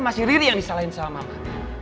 masih riri yang disalahin sama mama